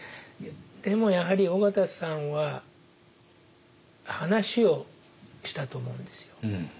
でもやはり緒方さんは話をしたと思うんですよ。